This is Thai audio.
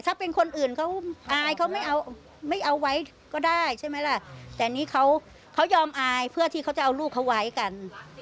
ถ้าเป็นคนอื่นเขาอายเค้าไม่เอาไว้ก็ได้แต่นี้เขายอมอายเพื่อที่เขาจะเอาลูกไว้กัน